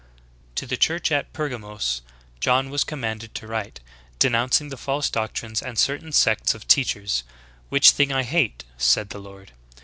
To the church at Pergamos John was commanded to write, denouncing the false doctrines of certain sects and teachers, 'Svhich thing I hate" said the Lord.